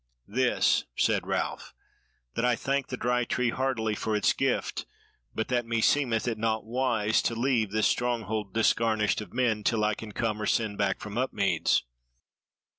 "This," said Ralph, "that I thanked the Dry Tree heartily for its gift, but that meseemed it naught wise to leave this stronghold disgarnished of men till I can come or send back from Upmeads."